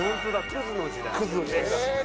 クズの時代です。